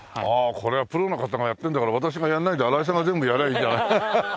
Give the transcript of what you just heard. これはプロの方がやってるんだから私がやらないで荒井さんが全部やればいいじゃない。